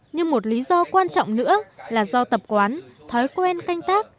nhưng một lý do quan trọng nữa là do tập quán thói quen canh tác